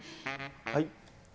はい。